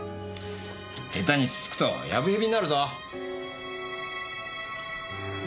ヘタにつつくとやぶへびになるぞ。